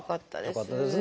よかったです。